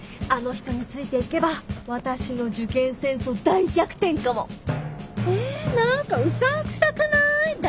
あの人についていけば私の受験戦争大逆転かも！え何かうさんくさくない？